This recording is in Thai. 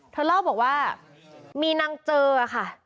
เธอเล่าบอกว่ามีนางเจอค่ะ